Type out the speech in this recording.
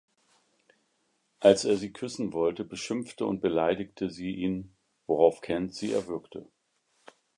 Als er sie küssen wollte, beschimpfte und beleidigte sie ihn, woraufhin Kent sie erwürgte.